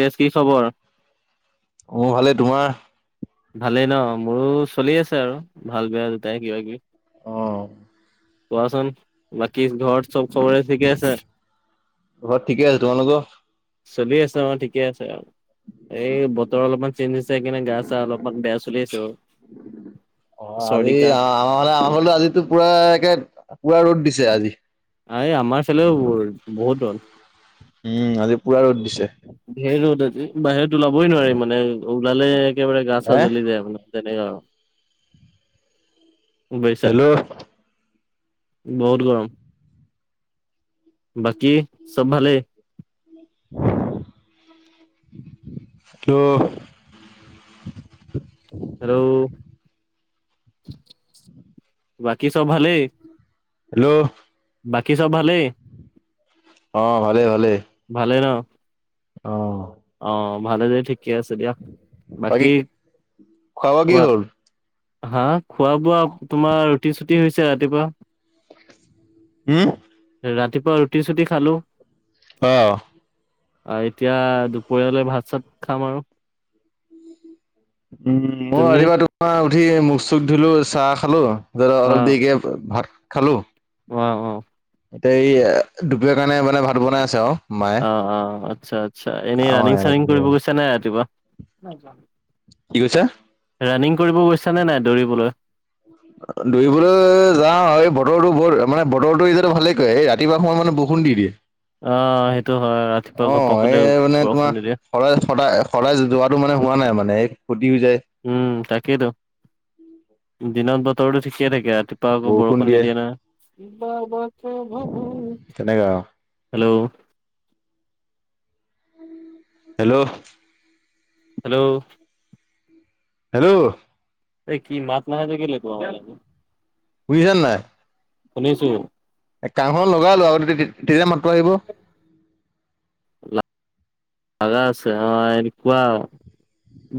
তেজ কি খবৰ? মোৰ ভালেই, তোমাৰ? ভালেই ন? মোৰো চলি আছে আৰু ভাল বেয়া দুটাই কিবা কিবি। অঁ। কোৱাচোন বাকী ঘৰত চব খবৰে ঠিকে আছে? ঘৰ ঠিকে আছে। তোমালোকৰ? চলি আছে অ' ঠিকে আছে আৰু। এই বতৰ অলপমান চেঞ্জ হৈছে কিনে গা ছা অলপমান বেয়া চলি আছে বাৰু। অ' চৰ্দি আজি কাহ আমাৰ ফালে আমাৰ ফালে আজি পুৰা পুৰা ৰ'দ দিছে আজি। আ আমাৰ ফালেও বহুত ৰ'দ। উম, আজি পূৰা ৰ'দ দিছে। ঢেৰ ৰ'দ আজি, বাহিৰত ওলাবই নোৱাৰি মানে ওলালে একেবাৰে গা চা হে জ্বলি যায় মানে। তেনেকুৱা আৰু, বুইছা। হেল্ল' বহুত গৰম। বাকী চব ভালেই? তো হেল্ল'? বাকী চব ভালেই! হেল্ল'? বাকী চব ভালেই? অ', ভালেই ভালেই। ভালেই ন? অ'। অ' ভালে যদি ঠিকে আছে দিয়া, বাকী বোৱা কি কোৱা? হ'ল? হা'? খোৱা বোৱা তোমাৰ ৰুটি চুটি হৈছে ৰাতিপুৱা। উম ৰাতিপুৱাৰ ৰুটি চুটি খালোঁ। অ'। এতিয়া দুপৰীয়ালৈ ভাত চাত খাম আৰু। উম, মই তুমি ৰাতিপুৱা তোমাৰ উঠি মুখ চুখ ধুলো চাহ খালো ধৰক অ অলপ দেৰিকে ভাত খালোঁ। অ', অ'। এতিয়া এই দুপৰীয়াৰ কাৰণে ভাত বনাই আছে আৰু। মায়ে অ' অ' আচ্ছা আচ্ছা। এনেই খাওঁ ৰানিং আৰু চানিং কৰিব কি গৈছা নাই ৰাতিপুৱা? কি কৈছা? ৰানিং কৰিব গৈছানে নাই দৌৰিবলৈ? দৌৰিবলৈ যাওঁ, এই বতৰটো বহুত মানে বতৰটো এতিয়া ভালে কৰে, এই ৰাতি পুৱা সময়ত মানে বৰষুণ দি দিয়ে। অ' সেইটো হয়, ৰাতিপুৱা ঘপকে বৰষুণ দি দিয়ে। শৰাইত সদায় শৰাই যোৱাটো মানে হোৱা নাই মানে এই সটি হৈ যায়। উম তাকেইতো, দিনত বতৰটো ঠিকে থাকে ৰাতি পা আকৌ বৰষুণ নিদিয়ে না, [unintelligible] তেনেকা আৰু হেল্ল'? হেল্ল'? হেল্ল'? হেল্ল'? এই কি মাত মানে যে গেলে [unintelligible] শুনিছানে নাই? শুনিছো। এ কাণখনত লগাই লোৱা আগতে তে তে তেতিয়া মাতটো আহিব। ভাগা আছে অ এনেকুৱা,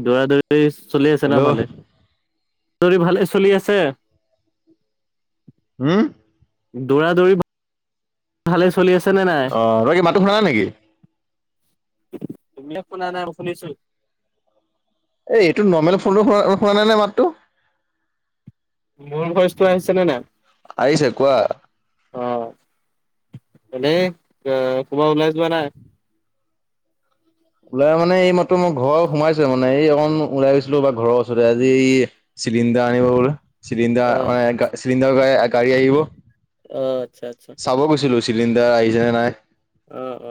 দৌৰা - দৌৰি চলি ন হেল্ল' ভালে? দৰি ভালে চলি আছে? হুম? দৌৰা দৌৰি ভালে চলি আছে নে অ নাই? তই কি মাতটো শুনা নাই নেকি? তুমিয়ে শুনা নাই মই শুনিছো। এ এইটো নৰ্মেল ফোনটো হোৱা অ হোৱা নাই নাই মাতটো। মোৰ ভইচটো আহিছেনে নাই? আহিছে কোৱা। অ এনে ক ক'বা ওলাই যোৱা নাই? ওলাই মানে এই মাত্ৰ মই ঘৰ সোমাইছো মানে এই অকন ওলাই গৈছিলো বা ঘৰৰ ওচৰতে আজি এই চিলিণ্ডাৰ আনিব গলো, চিলিণ্ডাৰ অ মানে গা চিলিণ্ডাৰ গাই গাড়ী আহিব। অ আচ্ছা আচ্ছা। চাব গৈছিলোঁ চিলিণ্ডাৰ আহিছেনে নাই? অ অ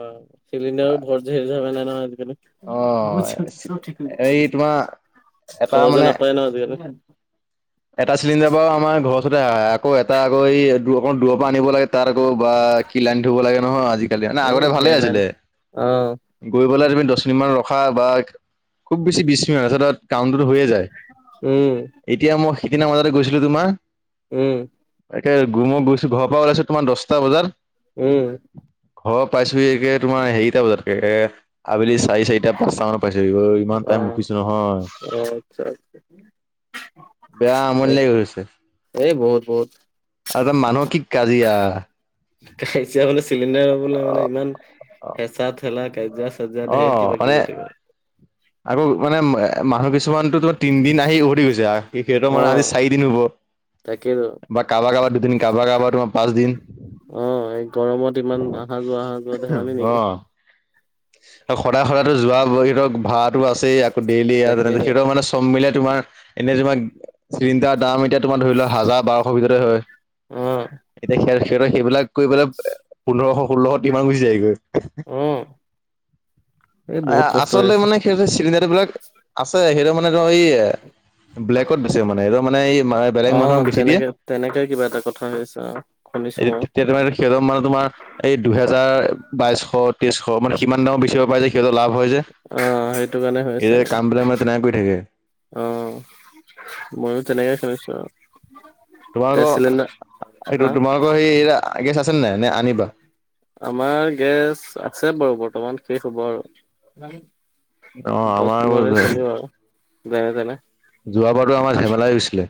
চিলিণ্ডাৰো ভৰ ঝে ঝেমেলা নহয় অ আজিকালি। এই [unintelligible] তোমাৰ এটা সহজে মানে নাপায় ন আজিকালি। [inaudible] এটা চিলিণ্ডাৰ বাৰু আমাৰ ঘৰ ওচৰতে আহ আকৌ এটা আকৌ এই দূৰৰ অকমাণ দুৰৰপৰা আনিব লাগে তাত আকৌ বা কি লাইন থুব লাগে নহয় আজি এ ধেৰ লাইন অ। গৈ পেলাই তুমি দছ মিনিট মান ৰখা বা খুব বেছি বিশ মিনিট তাৰপিছত তাত কাউণ্টতো হৈয়ে যায়। উম। এতিয়া মই সেইদিনা বজাতে গৈছিলো তোমাৰ উম। তাকে ঘো মই গৈছো ঘৰৰ পৰা ওলাইছো তোমাৰ দছটা বজাত। উম। ঘৰ পাইছোহি এতিয়া তোমাৰ হেৰিটা বজাতকে এ আবেলি চাৰি চাৰিটা পাঁচটা মানৰ পাইছোহিব ইমান অ টাইম ৰখিছো নহয়। অ আচ্ছা আচ্ছা। বেয়া আমনি লাগি গৈছে। এই বহুত বহুত। আৰু মানুহ কি কাজিয়া? কাজিয়া মানে চিলিণ্ডাৰ লবলে মানে ইমান হেঁচা, ঠেলা, কাজিয়া সজা ধেৰ কিবা কিবি থাকে। আগৌ মানে এ মানুহ কিছুমানতোটো তিনদিন আহি উভতি গৈছে আৰু সি সিহতৰ মানে আজি চাৰি দিন হ'ব। তাকে ৰ'। বা কাবা, কাবা, দুদিন। কাবা, কাবা, তোমাৰ পাঁচ দিন। অ', এই গৰমত ইমান, অহা-যোৱা, অহা-যোৱা ধেমালী নেকি। আৰু সদায়, সদায়টো, যোৱা সিহতৰ ভাড়াতো আছেই, আকৌ ডেইলী আৰু তেনে তাকেইতো সিহঁতৰ মানে চব মিলাই তোমাৰ, এনেই তোমাৰ চিলিণ্ডাৰ দাম এতিয়া তোমাৰ ধৰি লোৱা হাজাৰ, বাৰশৰ ভিতৰতে হয়। অ এতিয়া স সিহঁতৰ সেইবিলাক কৰি পেলাই পোন্ধৰশজ ষোল্লশ, টিমান গুচি যায়গৈ। অ এই এ বহুত কষ্ট হৈ আচলতে আছে। মানে সেই চিলিণ্ডাৰ বিলাক আছে, সেইটো মানে তোমাৰ এই ব্লেকত বেচিব মানে এইতো। মানে এই, বেলেগ অ মানুহক বেছি দিয়ে। তেনেকে তেনেকে কিবা এটা কথা হৈ আছে অ শুনিছো মইও সিহঁতে মানে তোমাৰ এই দুহেজাৰ, বাইশ, তেইছশ, মানে সিমান দামত বেচিব পাৰে যে। সিহঁতৰ লাভ হয় যে, অ সেইটো কাৰণে হৈ এই আছে যে এনেকুৱা কাম বিলাক মানে তেনেকে কৰি থাকে। অ', মইও তেনেকে কৰিছোঁ আৰু। গেছ তোমালোকৰ, চিলিণ্ডাৰ হা এইটো তোমালোকৰ, সেই গেছ আছে নে নাই, নে আনিবা। আমাৰ গেছ আছে বাৰু বৰ্তমান, শেষ হ'ব আৰু। অ' দহ, আমাৰ পোন্ধৰ দিন চলিব আৰু যেনেতেনে। যোৱাবাৰটো আমাৰ জেমেলাই হৈছিলে। অ',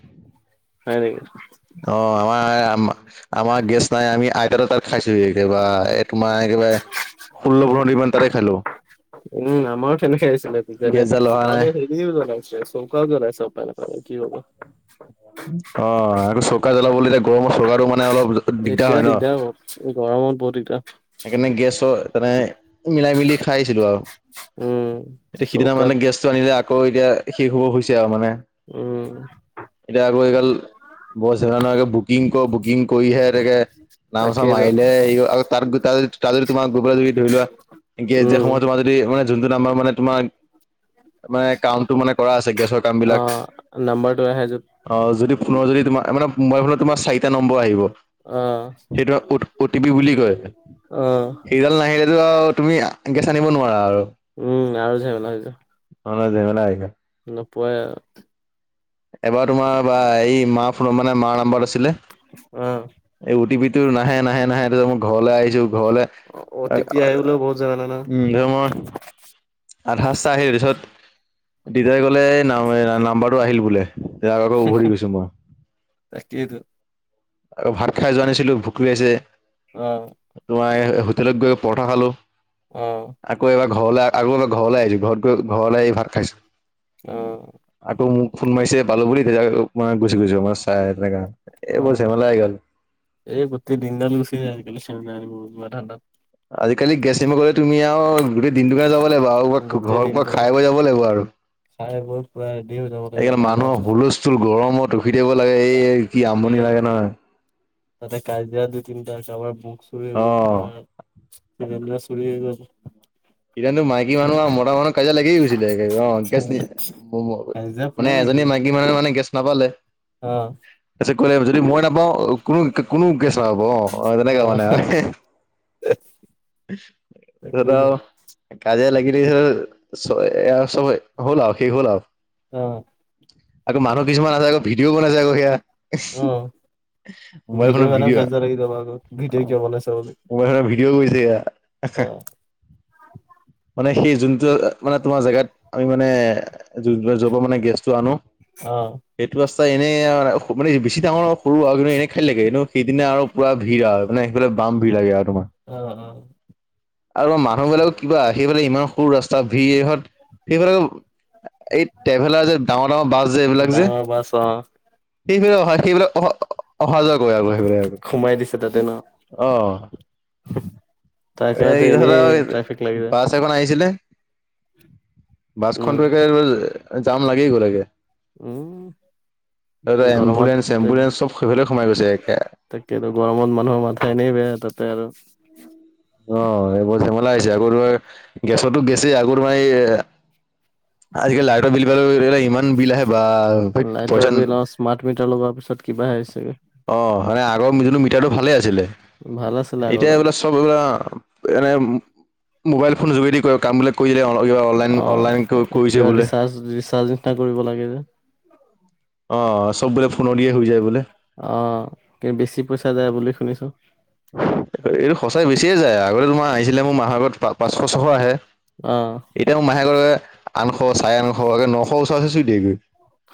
হয় নেকি? আমাৰ, আমাৰ গেছ নাই, আমি আইতাহতৰ তাত। খাইছোহি, একেবাৰে এ তোমাৰ একেবাৰে, ষোল্ল, পোন্ধৰ দিন মান তাতে খালো। উম। আমাৰ সেনেকে আছিলে যেনে, গেছডাল অহা নাই হেৰিও জ্বলাইছে চৌকাও জ্বলাইচে কি হ'ব। অ', আকৌ চৌকা জ্বলাবলৈ, এতিয়া গৰমত চৌকাটো মানে অলপ দিগদাৰ হয় ন। এই গৰমত বহুত দিগদাৰ। সেইকাৰণে, গেছৰ, তেনে মিলাই-মিলি খাইছিলো আৰু। উম। তে, সিদিনা মানে চৌকাত গেছটো আনিলে আকৌ, এতিয়া শেষ হ'ব হৈছে আৰু মানে। উম। এতিয়া আকৌ এইগাল, [unintelligible] বুকিং কৰ বুকিং। কৰিহে এতেকে, নাম-চাম তাকেইতো মাৰিলে হে হেৰী হয়, আক তাত গৈ, তাত যদি তোমাৰ যদি গৈ পেলাই যদি ধৰি লোৱা, গেছ দিয়াৰ উম, সময়ত যদি তোমাৰ যদি মানে যোনটো নাম্বাৰ তোমাৰ মানে, কামটো মানে কৰা আছে, গেছৰ কাম বিলাক। অ', নাম্বাৰটো আহে য'ত। অ', যদি ফোনৰ যদি তোমাৰ, মানে মোবাইল ফোনত তোমাৰ চাৰিটা নম্বৰ আহিব। উম। সেইটো অত, অটিপি বুলি কয়। অ', সেইডাল নাহিলেতো আৰু, তুমি গেছ আনিব নোৱাৰা আৰু। উম, আৰু জেমেলা হৈ যাব। [unintelligible] নোপোৱাই আৰু। এবাৰ, তোমাৰ বা, এই মা ফোন মানে মাৰ নাম্বাৰত আছিলে। অ'। এই, অ টি পিটো নাহে, নাহে, নাহে, তাৰপিছত মই ঘৰলৈ আহিছো, ঘৰলে অ' টি পি আহিবলৈও বহুত ঝেমেলা নহয় [unintelligible] আধা ৰাস্তা‌ আহিলো, তাৰপিছত দেউতাই ক'লে নাম্বাৰটো আহিল বোলে। তেতিয়া আকৌ উভতি গৈছো মই। তাকেইতো। আৰু ভাত খাই যোৱা নাই নাছিলোঁ ভুক লাগিছে। অ'। জোঁৱাই হোটেলত গৈ পৰঠা খালো। অ'। আকৌ এবাৰ ঘৰলৈ আৰু এবাৰ ঘৰলৈ আহিছোঁ, ঘৰত গৈ ঘৰলে এই ভাত খাইছোঁ। অ'। আকৌ মোক ফোন মাৰিছে পালোঁ বুলি, তেতিয়া মই গুচি গৈছো, আমাৰ চাই তেনেকা এই অ', জেমেলা আহি গ'ল। এই গোটেই দিনডাল গুচি আজিকালি [unintelligible] ঠাণ্ডাত। আজিকালি গেছ আনিব গলে তুমি আৰু গোটেই দিনটো কাৰণে যাব লাগিব, আৰু ঘৰ গোটেই ঘৰৰ পৰা দিনটো অ'। খাই বৈ যাব লাগিব আৰু। খাই বৈ পুৰা ৰেডি হৈ যাব লাগিব ননলে চুল গৰমত ৰখি থাকিব লাগে, এই কি সেই অশান্তি লাগে নহয়। তাতে কাজিয়া দুই তিনিটা কাৰোবাৰ বুক চুৰ হ'ল, অ কাৰোবাৰ [unintelligible] চুৰি হৈ গ'ল। সিদিনাতো মাইকী মানুহ আৰু মতা মানুহ কাজিয়া লাগিয়েই গৈছিলে [unintelligible] গ'ল কাজিয়া [unintelligible] মানে পুৰা লাগি এজনী যায় মাইকী মানুহে মানে গেছ নাপালে। অ'। তাৰ পিছত ক'লে, যদি মই নাপাওঁ কোনো কোনো গেছ নাপাব অ', তেনেকে মানে অ আৰু। [unintelligible] তাকেইতো কাজিয় লাগি [unintelligible] হ'লআৰু শেষ হ'লা আৰু। অ'। আকৌ মানুহ কিছুমান আাছে আকৌ ভিডিঅ' বনাইছে আকৌ সেয়া। উম, মোবাইল ভিদিঅ ফোনৰ কাৰণেও ভিডিঅ' কাজিয়া লাগি যাব আকৌ। ভিটে কিয় বনাইছা বুলি, মোবাইল ফোনৰ ভিডিঅ' কৰিছে সেয়া অ'। মানে সেই যোনটো মানে তোমাৰ জেগাত আমি মানে য'ৰপৰা মানে গেছটো আনো। অ'। সেইটো ৰাস্তা এনেই [unintelligible] মানে বেছি ডাঙৰ সৰু আৰু কিন্তু এনে খালি লাগে, কিন্তু সেইদিনা আৰু পুৰা ভিৰ আৰু মানে সেইফালে বাম ভিৰ লাগে আৰু তোমাৰ। অ', অ'। আৰু মানুহবলাক কিবা, সেই ফালে ইমান সৰু ৰাস্তা ভিৰত সেইফালে এই ট্ৰেভেলাৰ যে ডাঙৰ, ডাঙৰ বাছ যে এইবিলাক যে। ডাঙৰ বাছ অ সেইবিলাক অ' অহা যোৱা আৰু সেইবিলাক আৰু। [unintelligible] অ'। তাৰ এই কাৰনেতো ইহঁত এনেই ট্ৰাফিক লাগি যায়। বাছ এখন আহিছিলে, উম বাছখনতে জাম লাগি গ'লকে। উম দাদা গৰমত এম্বুলেন্ঞ্চ এম্বুলেন্ঞ্চ সেইফালে গৈছে একে। তাকেইতো গৰমত মানুহৰ মাথা এনেই বেয়া তাতে আৰু। অ', এইবোৰ ধেমেলা হৈছে আকৌ তোমাৰ গেছতো গেছি আকৌ তোমাৰি এ আজিকালি লাইটৰ বিল ইমান বিল আহে বা লাইটৰ পইচা বিল অ স্মাৰ্ট মিটাৰ লগোৱাৰ পিছত কিবা আগৈ। অ', মানে আগৰ যোনটো মিটাৰটো ভালে আছিলে ভাল আছিলে আগৰ এতিয়া বোলে ব এনে মোবাইল ফোন যোগেদি ক কাম বিলাক কৰি দিলে অন- কিবা অনলাইন অনলাইন কৰিছে কিবা বোলে ৰিচাৰ্জ নিচিনা কৰিব লাগে যে। অঁ চব বোলে ফোনৰ দিয়ে হৈ যায় বোলে অ কিন্তু বেছি পইচা যায় বুলি শুনিছোঁ। এইটো সচাই বেছিয়ে যায় আগতে তোমাৰ আহিছিলে মোৰ মাহৰ আগত পাঁচশ ছশ আহে। অ, এতিয়া মাহে আঠশ চাৰে আঠশ আ নশ ওচৰ ওচৰি চুই দিয়েগৈ।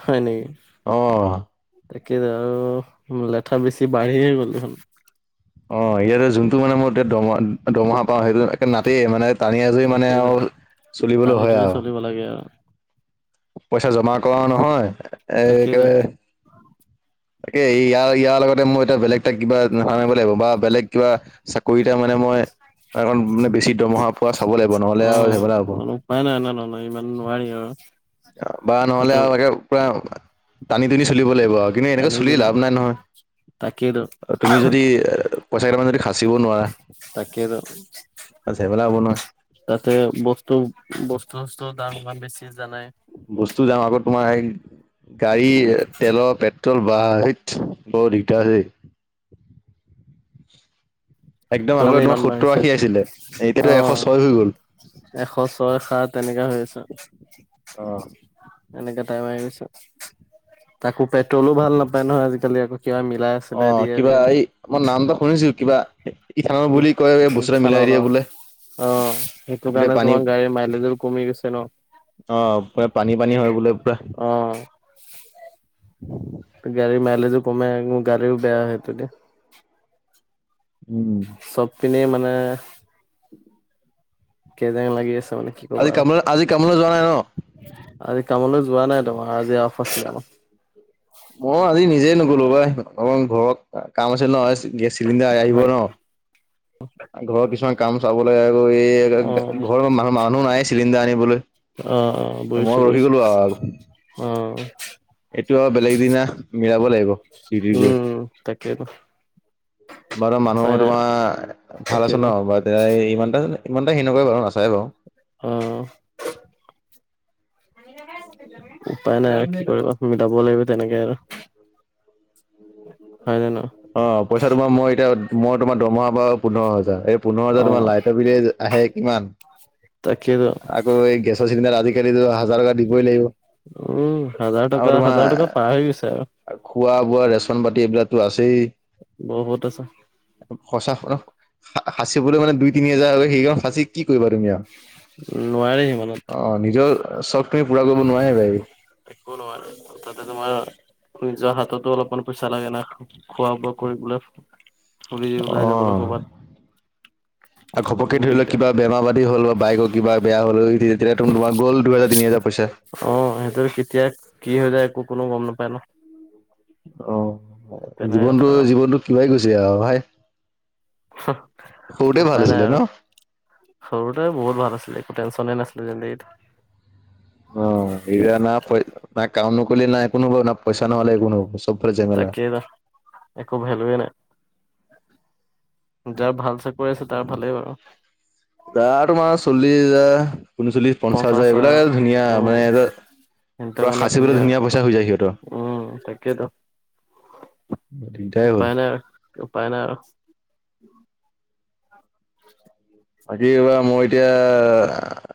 হয় নেকি? অ তাকে আৰু লেঠা বেছি বাঢ়িয়ে গ'ল দেখোন। অ ইয়াতে যোনটো মানে মই এয়া দম দমহা পাওঁ সেইটো একে নাতে মানে টানি আজৰি মানে আৰু চলিবলৈ হয় আৰু থাকিব লাগে আৰু পইচা জমা কৰা নহয় তাকে ত একে তাকে ইয়াৰ লগতে মই এতিয়া বেলেগ কিবা নিব লাগিব বা বেলেগ কিবা চাকৰিতটা মানে মই কাৰণ মানে বেছি দৰমহা পোৱা চাব লাগিব নহ'লে অ আৰু ঝেমেলা হ'ব ন উপাই নাই ন নয় ইমান নোৱাৰি আৰু বা নহলে তাতে আৰু একে পুৰা টানি টানি চলিব লাগিব আৰু কিন্তু এনেকে টানি চলি টুনি লাভ নাই নহয় তাকেইতো তুমি যদি এ পইচা কেইটা মান যদি সাচিব নোৱাৰা। তাকেই ত ঝেমেলা হ'ব নহয় তাতে বস্তু বস্তু দাম ইমান বেছি জানাই। বস্তু দাম আগত তোমাৰ হেৰি গাড়ী তেলৰ পেট্ৰল বা বাহন বৰ দিগদাৰ হৈছে। একদম আগতে দামে ইমান বাঢ়িছে তোমাৰ আছিলে এতিয়াাতো এশ অ ছয় হৈ গ'ল। এশ ছয় সাত তেনেককা হৈ আছে। অ, এনেককাে টাই মাৰি গৈছ তাকো পেট্ৰলো ভাল নাপায় নহয় আজিকালি আকৌ কিবা মিলাই অ চিলাই দিয়ে কিবা আজিকালি এই মই নামটো শুনিছিলোঁ কিবা। কি খাওঁ ইত বুলি কয় বুচুৰে মিলাই ইথানল দিয়ে বোলে। অ সেইটো গোটেই কাৰণে পানী তোমাৰ গাড়ীৰ মাইলেজো কমি গৈছে ন। অ প পানী পানী হয় বোলে পুৰা। অ গাড়ীৰ মাইলেজো কমাই মোৰ গা়ও বেয়া হয়টো এতিয়া উম। চব পিনে মানে কেইজং লাগি আছে মানে কি ক'বা আজি আৰু কাম আজি কামলে যোৱা নাই ন আজি কামলৈ যোৱা নাই তোমাৰ আজি অফ আছিলা আমৰ। মই আজি নিজে নগলো বাই অ ঘৰত কাম আছে নহয়। গেছ চিলিণ্ডাৰ আহিব হয় ন' ঘৰৰ কিছুমান কাম চাবলৈ এই অ ঘৰ মানুহ মানুহ নাই চিলিণ্ডাৰ আনিবলৈ। অ-অ মই ৰখি বুজিছোঁ-বুজিছোঁ গলো আৰু অ'। এইটো আৰু বেলেগ দিনা মিলাব লাগিব ডিউটি গৈ। উম তাকেতো। বাৰু মানুহো তোমাৰ ভাল আছে তাকেইতো ন' বাৰ ইমানটা ইমান এটা হে নকয় বাৰু নাচায় বাৰু। উম, উপায় নাই আৰু কি কৰিবা, মিলাব লাগিব তেনেকে হয় জানো? অ', পইচা তোমাৰ মই এতিয়া মই তোমাৰ দমহা পাওঁ পোন্ধৰ হাজাৰ, এই পোন্ধৰ অ হাজাৰ তোমাৰ লাইট ৰ বিলে আহে কিমান? তাকেতো। আকৌ এই গেছৰ চিলিণ্ডাৰ আজি-কালিটো হাজাৰ টকা দিবই লাগিব। উম, হাজাৰ টকা, হাজাৰ টকা পাব হৈ গৈছে আৰু। আৰু খোৱা-বোৱা ৰেচন পাতি এইবিলাকটো আছেই। বহুত আছে। সঁচা সাঁচিবলৈ মানে দুই তিনি হাজাৰ হয় সেইকন সাঁচি কি কৰিবা তুমি আৰু। নোৱাৰি সিমানত। অ', নিজৰ চখটোৱে পূৰা কৰিব নোৱাৰিবাই। একো নোৱাৰে তাতে, তোমাৰ নিজৰ হাততো অলপমান পইচা লাগে না। খোৱা-বোৱা কৰিবলে। অ', আৰু ঘপকে বহুত ধৰি লোৱা দিগদাৰ কিবা বেমাৰা পাতি হ'ল বা বাইকৰ কিবা বেয়া হ'ল উঠি তেতিয়া য়ো তোমাৰ গ'ল দুহেজাৰ তিনি হাজাৰ পইচা। অ', সেইটো কেতিয়া কি হৈ যায় একো কোনো গ'ম নাপায় ন'। অ', তেনেকে জীৱনটো, কথা আৰু জীৱনটো কিবা হৈ গৈছে আৰু ভাই। সৰুতেই উপায় ভাল নাই আছিলে আৰু ন'? সৰুতে বহুত ভাল আছিলে একো টেনচনে নাছিলে জিন্দেগীত। অ', এতিয়া না না কাম নকৰিলে নাই একো নহ'ব না পইচা নহ'লে একো নহ'ব। চবফালে জেমেলা। তাকেইতো একো ভেলুৱে নাই। যাৰ ভাল চাকৰি আছে তাৰ ভালেই বাৰু। যাৰ তোমাৰ চল্লিশ হাজাৰ ঊনচল্লিশ পঞ্চাশ হাজাৰ পঁচাচা এইবিলাকে ধুনীয়া উম, মানে এটা সিহঁতৰ পুৰা কাৰণে সাঁচিবলৈ ধুনীয়া পইচা হৈ যায় সিহঁতৰ। উম, তাকেইতো দিকদাৰে হ'ল। উপায় নাই উপায় নাই আৰু। [inaudible] আজি এইবাৰ মই এতিয়া